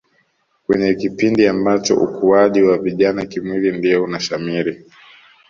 Kwenye kipindi ambacho ukuwaji wa vijana kimwili ndio unashamiri